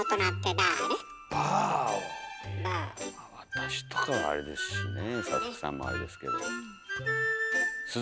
私とかはあれですしね佐々木さんもあれですけど。